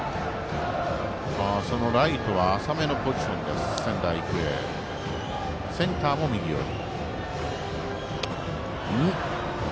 ライトは浅めのポジション仙台育英、センターも右寄り。